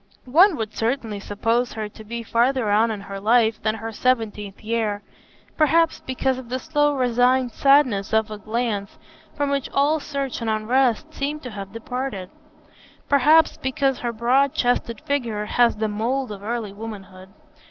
One would certainly suppose her to be farther on in life than her seventeenth year—perhaps because of the slow resigned sadness of the glance from which all search and unrest seem to have departed; perhaps because her broad chested figure has the mould of early womanhood.